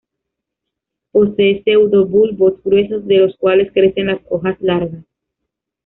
Posee pseudobulbos gruesos de los cuales crecen las hojas largas.